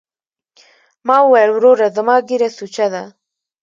ما وويل وروره زما ږيره سوچه ده.